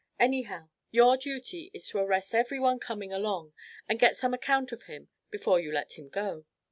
Anyhow, your duty is to arrest every one coming along, and get some account of him before you let him go.